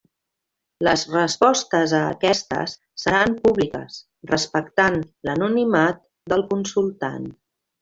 Les respostes a aquestes seran públiques, respectant l'anonimat del consultant.